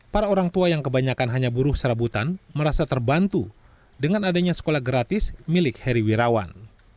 para orang tua yang kebanyakan hanya buruh serabutan merasa terbantu dengan adanya sekolah gratis milik heri wirawan